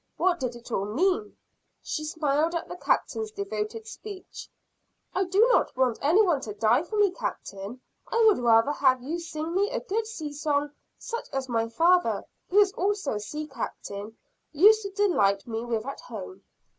What did it all mean? She smiled at the Captain's devoted speech. "I do not want any one to die for me, Captain. I would rather have you sing me a good sea song, such as my father, who was also a sea captain, used to delight me with at home."